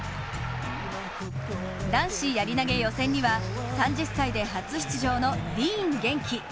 男子やり投げ予選には、３０歳で初出場のディーン元気。